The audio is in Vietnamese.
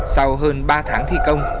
sau hơn ba tháng thi công